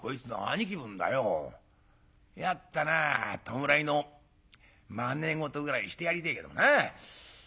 弱ったな弔いのまね事ぐらいしてやりてえけどな。